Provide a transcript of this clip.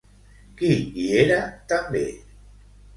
Qui hi era també?